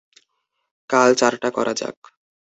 কাল চারটা করা যাক।